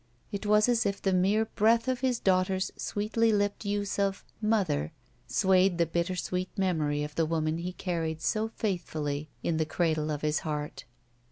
It was as if the mere breath of his daughter's sweetly lipped use of "mother" swayed the bitter sweet memory of the woman he carried so faithfully in the cradle of his heart.